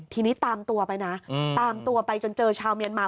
ทีนี้ตามตัวไปนะตามตัวไปจนเจอชาวเมียนมา